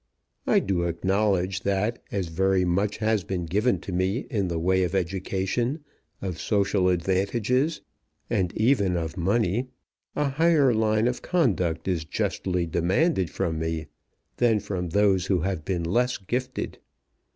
I do acknowledge that as very much has been given to me in the way of education, of social advantages, and even of money, a higher line of conduct is justly demanded from me than from those who have been less gifted.